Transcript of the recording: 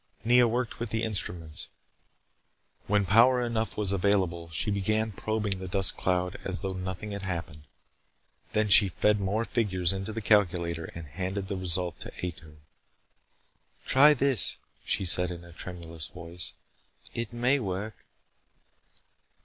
Nea worked with the instruments. When power enough was available she began probing the dust cloud as though nothing had happened. Then she fed more figures into the calculator and handed the result to Ato. "Try this," she said in a tremulous voice. "It may work."